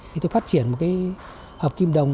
thì tôi phát triển một cái hộp kim đồng